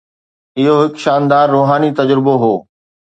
اهو هڪ شاندار روحاني تجربو هو.